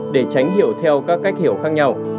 để tránh hiểu theo các cách hiểu khác nhau